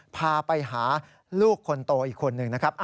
พาไปหาลูกคนโตอีกคนหนึ่งนะครับ